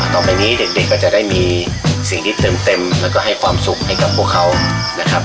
ต่อไปนี้เด็กก็จะได้มีสิ่งที่เติมเต็มแล้วก็ให้ความสุขให้กับพวกเขานะครับ